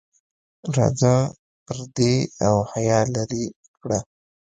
راځه پردې او حیا لرې کړه.